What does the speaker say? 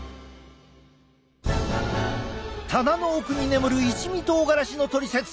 棚の奥に眠る一味とうがらしのトリセツ。